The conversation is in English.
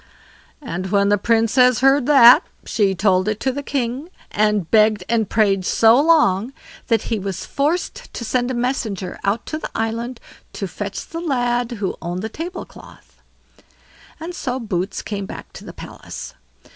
And when the Princess heard that, she told it to the king, and begged and prayed so long, that he was forced to send a messenger out to the island to fetch the lad who owned the table cloth; and so Boots came back to the palace.